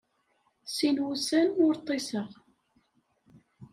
Sin wussan ur ṭṭiseɣ.